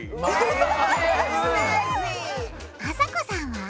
あさこさんは？